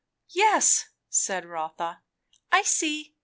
"Yes," said Rotha, "I see.